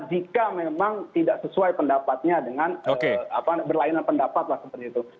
jika memang tidak sesuai pendapatnya dengan berlainan pendapat lah seperti itu